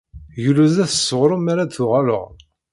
Glud-s s uɣrum mi ara d-tuɣaleḍ.